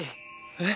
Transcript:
えっ？